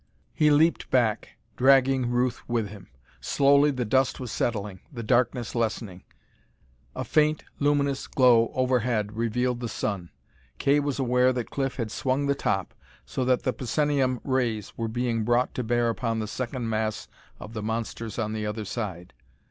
He leaped back, dragging Ruth with him. Slowly the dust was settling, the darkness lessening. A faint, luminous glow overhead revealed the sun. Kay was aware that Cliff had swung the top, so that the psenium rays were being brought to bear upon the second mass of the monsters on the other side.